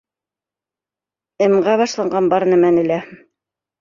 М-ға башланған бар нәмәне лә.